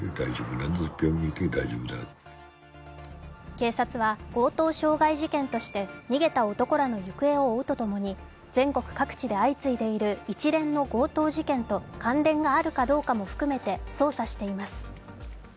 警察は強盗傷害事件として逃げた男らの行方を追うとともに、全国各地で相次いでいる一連の強盗事件と関連があるかどうかも含め、捜査しています。